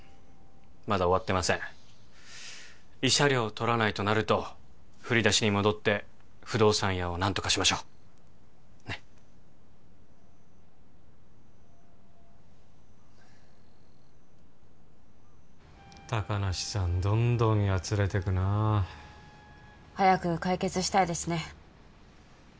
まだ終わってません慰謝料をとらないとなると振り出しに戻って不動産屋を何とかしましょうねっ高梨さんどんどんやつれてくな早く解決したいですね